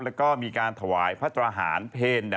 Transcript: แล้วก็มีการถวายพระตรหารเพล